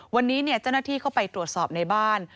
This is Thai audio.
วันนี้เจ้าหน้าที่เข้าไปตรวจสอบในบ้าน